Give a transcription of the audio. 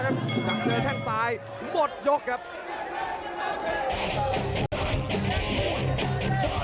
จังเจนแท่งสายหมดยกครับ